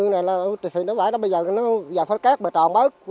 nó phải là bây giờ nó dài phát cát bờ tròn bớt